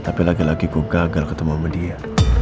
tapi lagi lagi gue gagal ketemu sama dia